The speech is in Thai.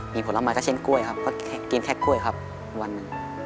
มีผลไม้ก็เช่นกล้วยครับก็กินแค่กล้วยครับวันหนึ่ง